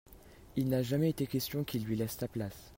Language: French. il n'a jamais été question qu'il lui laisse sa place.